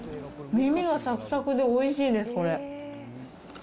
耳がさくさくでおいしいです、これ。